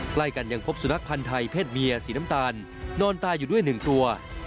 ใกล้กันยังพบสุนัขพันธ์ไทยเพศเมียสีน้ำตาลนอนตายอยู่ด้วยหนึ่งตัว